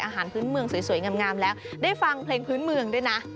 อาหารพื้นเมืองสวยงามแล้วได้ฟังเพลงพื้นเมืองด้วยนะ